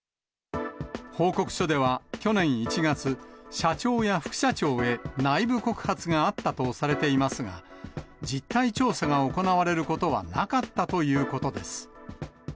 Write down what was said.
報告書では、去年１月、社長や副社長へ内部告発があったとされていますが、実態調査が行われることはなかったということです。